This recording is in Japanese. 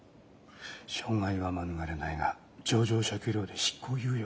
傷害は免れないが情状酌量で執行猶予がつくかもな。